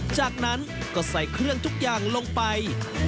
จากนั้นก็ใส่เครื่องทุกอย่างลงไป